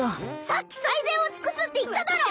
さっき最善を尽くすって言っただろ！